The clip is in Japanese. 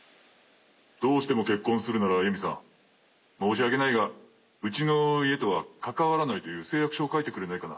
どうしても結婚するなら由美さん申し訳ないがうちの家とは関わらないという誓約書を書いてくれないかな。